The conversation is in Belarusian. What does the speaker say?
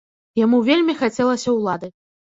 Яму вельмі хацелася ўлады.